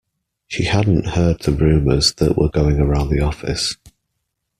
She hadn’t heard the rumours that were going around the office.